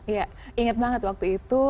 iya ingat banget waktu itu